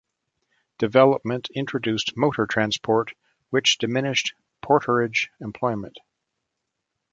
Development introduced motor transport, which diminished porterage employment.